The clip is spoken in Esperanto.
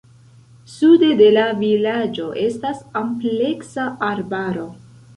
Sude de la vilaĝo estas ampleksa arbaro.